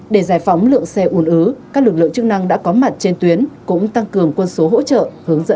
để giải phóng lượng xe uốn ứ các lực lượng chức năng đã có mặt trên tuyến cũng tăng cường quân số hỗ trợ hướng dẫn phương tiện